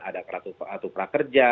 ada keratu prakerja